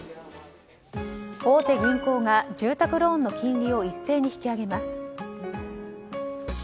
大手銀行が住宅ローンの金利を一斉に引き上げます。